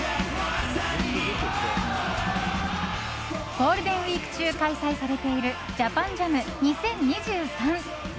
ゴールデンウィーク中開催されているＪＡＰＡＮＪＡＭ２０２３。